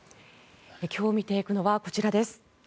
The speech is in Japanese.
今日見ていくのはこちらです。